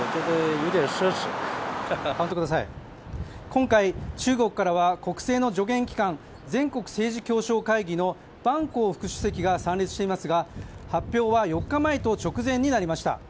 今回、中国からは国政の助言機関全国政治協商会議の万鋼副主席が参列していますが発表は４日前と直前になりました。